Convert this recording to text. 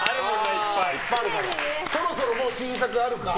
そろそろ新作あるか。